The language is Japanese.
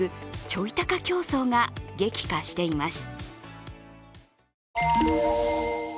ちょい高競争が激化しています。